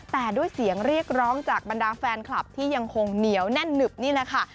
แต่ด้วยเสียงเรียกร้องจากบรรดาแฟนคลับที่ยังคงเหนียวแน่นหนึบนี่แหละค่ะ